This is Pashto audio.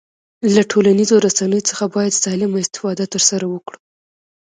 له ټولنیزو رسنیو څخه باید سالمه استفاده ترسره وکړو